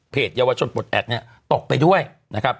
เยาวชนปลดแอดเนี่ยตกไปด้วยนะครับ